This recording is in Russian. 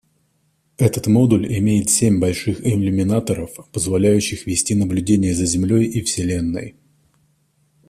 Этот модуль имеет семь больших иллюминаторов, позволяющих вести наблюдение за Землей и Вселенной.